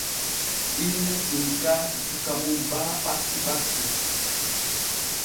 Inna tinntaaki suka mum baa ɓatti ɓatti.